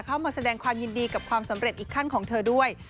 เข้ามาแสดงความยินดีกับความสำเร็จอีกขั้นของเธอด้วย